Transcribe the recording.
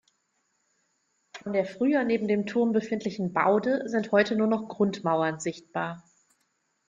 Von der früher neben dem Turm befindlichen Baude sind heute nur noch Grundmauern sichtbar.